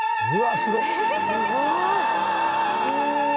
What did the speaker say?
すごーい。